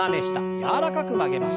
柔らかく曲げましょう。